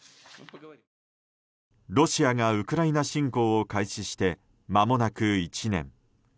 ロシアがウクライナ侵攻を開始して、まもなく１年。